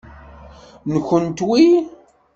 Nwent wi?